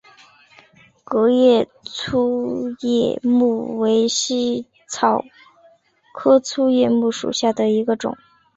革叶粗叶木为茜草科粗叶木属下的一个种。